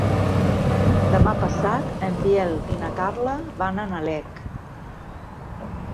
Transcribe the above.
Demà passat en Biel i na Carla van a Nalec.